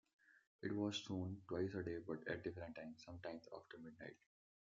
It was shown twice a day, but at different times, sometimes after midnight.